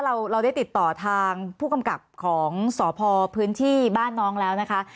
เราได้ติดต่อทางผู้กำกับของสพพื้นที่บ้านน้องแล้วนะคะ